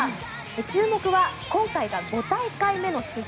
注目は今大会が５回目の出場